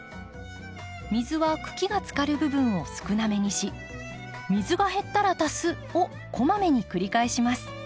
水は茎がつかる部分を少なめにし水が減ったら足すをこまめに繰り返します。